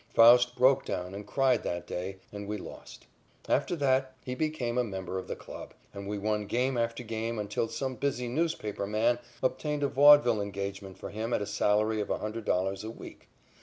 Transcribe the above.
Faust broke down and cried that day, and we lost. After that he became a member of the club, and we won game after game until some busy newspaper man obtained a vaudeville engagement for him at a salary of $100 a week.